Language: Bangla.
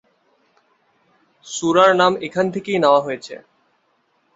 সূরার নাম এখান থেকেই নেয়া হয়েছে।